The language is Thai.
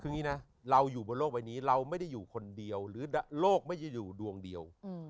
คืออย่างนี้นะเราอยู่บนโลกใบนี้เราไม่ได้อยู่คนเดียวหรือโลกไม่ได้อยู่ดวงเดียว